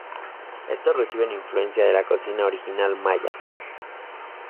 Estos reciben influencia de la cocina original Maya.